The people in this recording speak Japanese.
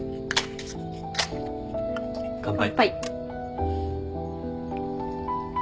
乾杯。